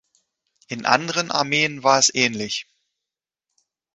In anderen Armeen war es ähnlich.